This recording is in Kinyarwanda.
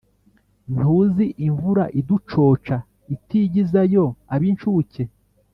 Nduzi imvura iducoca Itigizayo ab’incuke!